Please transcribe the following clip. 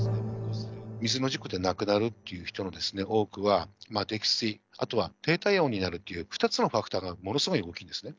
水の事故で亡くなるっていう人の多くは、溺水、あとは低体温になるっていう、２つのファクターがものすごい大きいんですね。